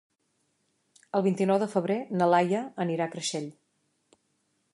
El vint-i-nou de febrer na Laia anirà a Creixell.